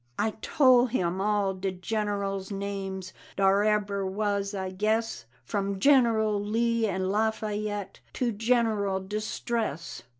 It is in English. I tole him all de generals' names Dar ebber was, I guess, From General Lee and La Fayette To General Distress.